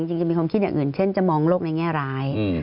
จะมีความคิดอย่างอื่นเช่นจะมองโลกในแง่ร้าย